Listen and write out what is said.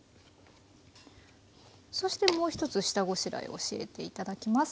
そしてもう一つ下ごしらえ教えていただきます。